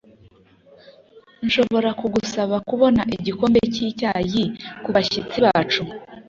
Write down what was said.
Nshobora kugusaba kubona igikombe cyicyayi kubashyitsi bacu?